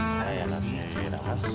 saya masih ramas